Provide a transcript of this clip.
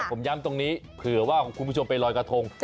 ผมย้ำตรงนี้เผื่อว่าคุณผู้ชมไปลอยกระทง